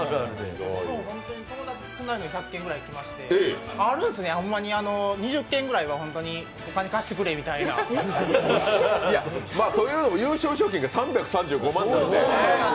友達少ないのに１００件くらいありましてあるんですね、ほんまに２０件ぐらいはお金貸してくれみたいな。というのも、優勝賞金が３３５万なんで。